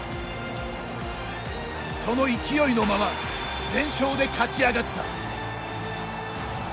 その勢いのまま全勝で勝ち上がった。